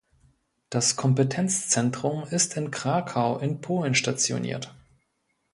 Das Kompetenzzentrum ist in Krakau in Polen stationiert.